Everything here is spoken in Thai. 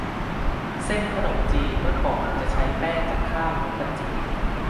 เส้นขนมจีนเมื่อก่อนจะใช้แป้งจากข้าวนกกระจิบ